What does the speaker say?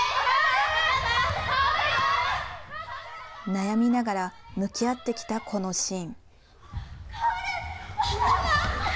悩みながら向き合ってきたこのシーン。